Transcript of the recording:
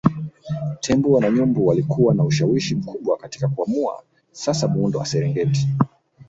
Tembo na nyumbu walikuwa na ushawishi mkubwa katika kuamua sasa muundo wa Serengeti